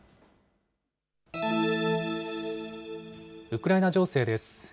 ウクライナ情勢です。